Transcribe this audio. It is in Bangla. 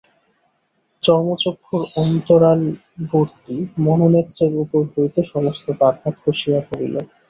চর্মচক্ষুর অন্তরালবর্তী মনোনেত্রের উপর হইতে সমস্ত বাধা খসিয়া পড়িল।